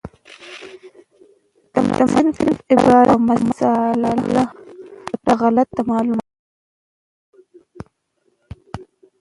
د مصنف عبارت او مسأله راته غلطه معلومه شوه،